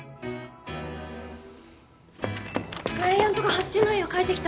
クライアントが発注内容変えてきた。